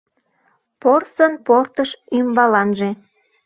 Порсын портыш ӱмбаланже